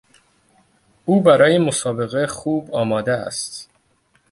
او برای مسابقه خوب آماده است.